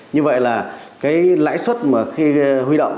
như vậy là cái lãi suất mà khi huy động